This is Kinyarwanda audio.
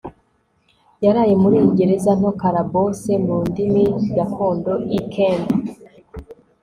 yaraye muri iyi gereza nto (calaboose, mu ndimi gakondo) i kemp